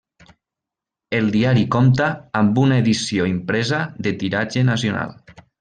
El diari compta amb una edició impresa de tiratge nacional.